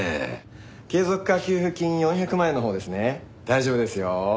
継続化給付金４００万円のほうですね大丈夫ですよ。